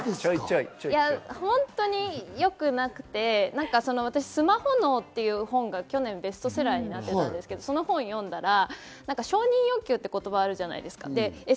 本当によくなくて、『スマホ脳』という本が去年ベストセラーになってたんですけど、その本を読んだら承認欲求って言葉あるじゃないですか？